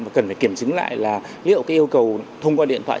mà cần phải kiểm chứng lại là liệu cái yêu cầu thông qua điện thoại